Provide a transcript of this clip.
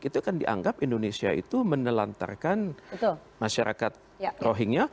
itu kan dianggap indonesia itu menelantarkan masyarakat rohingya